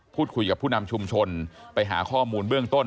พูดคุยกับผู้นำชุมชนไปหาข้อมูลเบื้องต้น